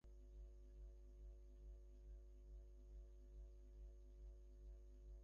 মুবাদালা world tennis চ্যাম্পিয়নশিপে অংশ নিতে এখন সংযুক্ত আরব আমিরাতে নাদাল।